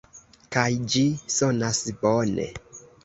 Kaj ĝi sonas bone.